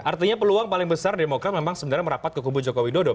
artinya peluang paling besar demokrat memang sebenarnya merapat ke kubu jokowi dodo